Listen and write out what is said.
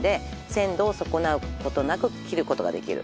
「鮮度を損なうことなく切ることができる」